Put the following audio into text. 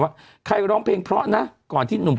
ไม่ควรไปนักแสดง